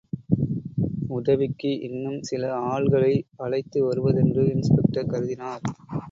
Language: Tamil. உதவிக்கு இன்னும் சில ஆள்களை அழைத்து வருவதென்று இன்ஸ்பெக்டர் கருதினார்.